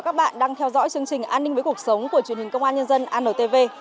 và các bạn đang theo dõi chương trình an ninh với cuộc sống của truyền hình công an nhân dân antv